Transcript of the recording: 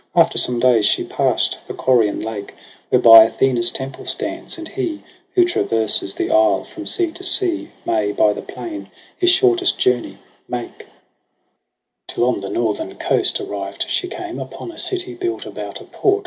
After some days she pass'd the Corian Lake, Whereby Athena's temple stands, and he Who traverses the isle from sea to sea May by the plain his shortest journey make : AUGUST 143 30 Till on the northern coast arrived she came Upon a city built about a port.